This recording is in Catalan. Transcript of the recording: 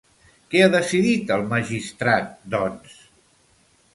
Què ha decidit el magistrat, doncs?